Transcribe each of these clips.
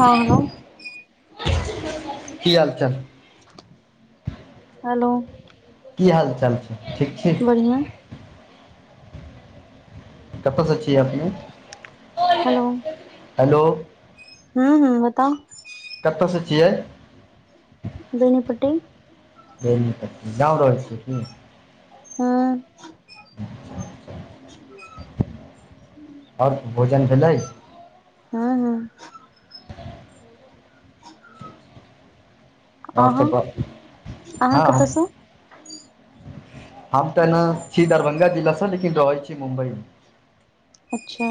हँ हेलो की हाल चाल हेलो की हाल चाल छै ठीक छै बढ़ियाँ कब सँ छी अपने हेलो हूंम्म हूंम्म बताउ कतयसँ छियै बेनीपट्टी क जाम रहै छियै की हूंम्म आओर भोजन भेलै हँ हँ हूंम्म [inaudible] अहाँ ओसप अहाँ हँ कतयसँ हम तऽ एना छी दरभंगा जिला से लेकिन रहै छी मुम्बई अच्छा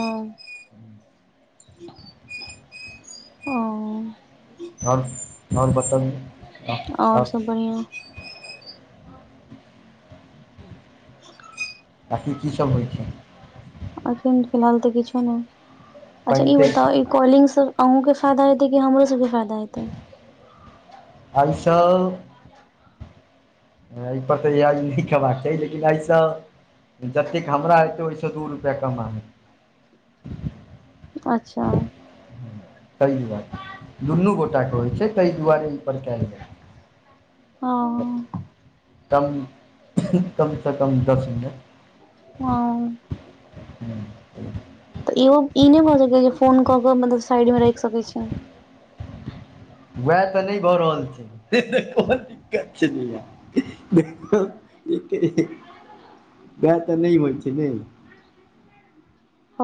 ओ आओर आओर बतबियौ आओर सब बढ़ियाँ ताकि की सभ होइ छै अखन फिलहाल तऽ किछु नहि अच्छा पानि ई तानि बता कॉलिंग सब अहुँके फायदा हेतै कि हमरो सबके फायदा हेतै आइसँ एहि पर तऽ इ नहि खयबाक चाही लेकिन एहिसँ जतेक हमरा हेतै ओहिसँ दू रुपैआ कमा हेत अच्छा तहि‌ दुआरे दुनू गोटा के होइ छै ताहि दुआरे ई पर कयल गेल हँ [inaudible] कम कमसँ कम दस मिनट हँ [inaudible] तऽ इहो ई नहि भऽ सकै छै जे फोन कऽ के मतलब साइड मे राखि सकैत छी वएह तऽ नहि भऽ रहल छै देख द कछ नहि देख एक [unintelligible] वएह तऽ नहि होइत छै ने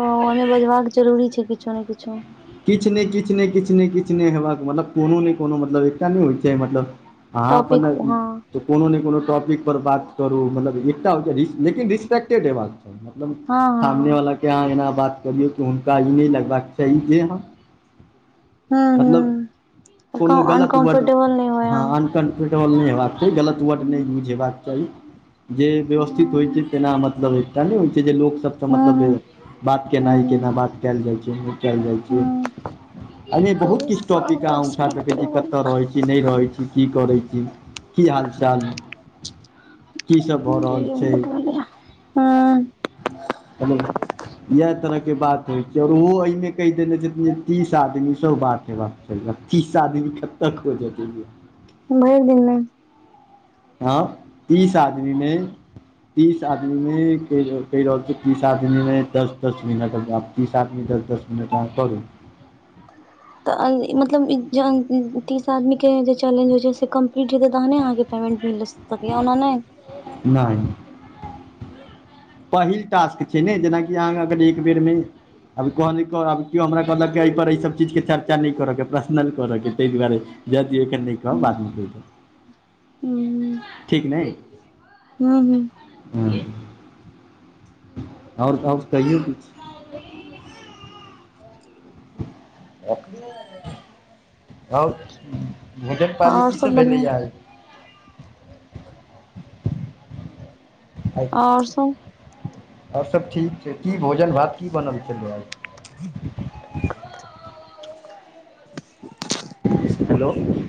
ओमे बजबाक जरूरी छै किछु ने किछु किछु ने किछु ने किछु ने किछु ने होेबाक मतलब कोनो ने कोनो मतलब एकटा नहि होइ छै मतलब आहाँ टॉपिक अपन हँ तऽ कोनो ने कोनो टॉपिकपर बात करू मतलब एकटा होइ लेकिन रिस्पेक्टेड हेबाक मतलब हँ हँ सामने हँ वाला के अहाँ एना बात करियौ कि हुनका ई नहि लगबाक चाही जे ह हूँ [inaudible] मतलब हूँ कोनो गलत वर्ड अनकम्फर्टेबल नहि होइ ह अहाँ पेटहल नहि हेबाक चाही गलत वर्ड नहि यूज हेबाक चाही [inaudible] जे व्यवस्थित होइत छै हूँ तेना मतलब एकटा नहि होइ छै जे लोकसभ से मतलब हूँ बात हूँ केनाई हूँ केना बात कैल जाइ छै नई कैल जाइ छै हूँ आ ई बहुत चौबीस किछ टॉपिक अहाँ उठा मिनट सकैत पूरे छी कतय भेलै रहैत छी नहि रहैत छी की करै छी की हाल चाल की सब भऽ रहल छै हँ हेलो इएह तरहके बात होइ छै आओर ओहो एहिमे कहि देने छथिन जे तीस आदमी सँ बात हेबाक बत्तीस आदमी कतेक खोजत भरि दिनमे हँ तीस आदमी मे तीस आदमीमे कहि रहती कहि रहल छै तीस आदमीमे दस दस मिनट बात तीस आदमी दस दस मिनट अहाँ करू तऽ मतलब जहन तीस आदमीके जे चैलेंज होइ छै से कम्प्लीट हेतै तहने अहाँके पेमेन्ट मिलत तऽ ओना नहि नहि पहिल टास्क छै ने जेनाकि अहाँ अगर एक बेरमे अभी कहलक केओ हमरा कहलक एहि पर एहिसभ चीज के चर्चा नहि करऽ के पर्सनल करऽ के ताहि दुआरे जाय दियऔ एखन नहि कहब हूँ बादमे कहि देब हूँ ठीक नहि हूँ हूँ आओर [unintelligible] ‌ कहियो कुछ [inaudible] आओर भोजन पानी आओर की सब भेलैए बढ़िआँ आइ [inaudible] [unintelligible] आओर सब ठीक छै की भोजन भात की बनब छलै आय [inaudible] हेलो